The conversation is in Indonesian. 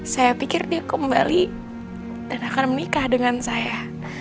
saya pikir dia kembali dan akan menikah dengan saya